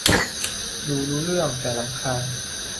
ดูรู้เรื่อง แต่รำคาญ